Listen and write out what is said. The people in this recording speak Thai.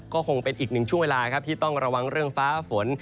ก็คงเป็นอีกหนึ่งช่วงเวลาครับที่ต้องระวังเรื่องฟ้าฝน